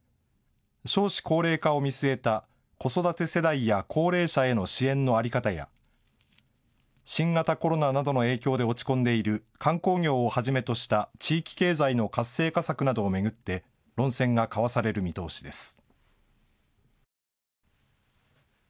少子高齢化を見据えた子育て世代や高齢者への支援の在り方や新型コロナなどの影響で落ち込んでいる観光業をはじめとした地域経済の活性化策などを巡って論戦が交わされる見通しです。